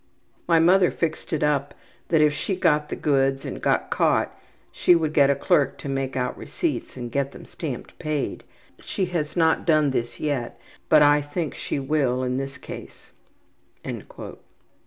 '' ``My mother fixed it up that if she got the goods and got caught she would get a clerk to make out receipts and get them stamped paid. She has not done this yet, but I think she will in this case.''